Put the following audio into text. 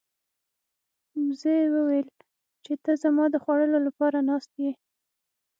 وزې وویل چې ته زما د خوړلو لپاره ناست یې.